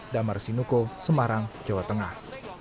damar sinuko semarang jawa tengah